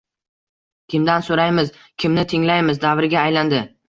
“kimdan so‘raymiz”, “kimni tinglaymiz” davriga aylandi.